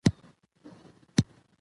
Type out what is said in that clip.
په افغانستان کې پسه د خوښې وړ ځای دی.